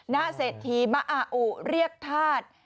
ณเศรษฐีมะอาอุเรียกธาตุ